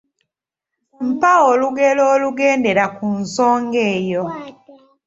Mpa olugero olugendera ku nsonga eyo.